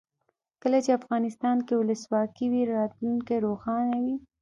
کله چې افغانستان کې ولسواکي وي راتلونکی روښانه وي.